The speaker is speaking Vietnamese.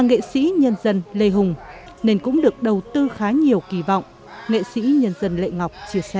nghệ sĩ nhân dân lê hùng nên cũng được đầu tư khá nhiều kỳ vọng nghệ sĩ nhân dân lệ ngọc chia sẻ